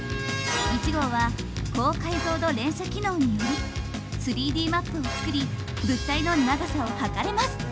１号は高解像度連写機能により３Ｄマップを作り物体の長さを測れます。